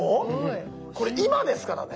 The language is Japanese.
これ今ですからね。